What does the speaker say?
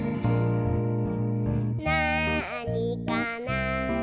「なあにかな？」